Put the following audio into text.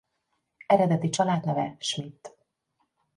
Eredeti családneve Schmidt.